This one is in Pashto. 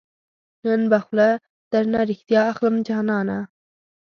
نن به خوله درنه ريښتیا اخلم جانانه